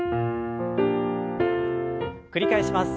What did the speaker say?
繰り返します。